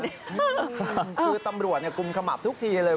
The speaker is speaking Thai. คือตำรวจกุมขมับทุกทีเลย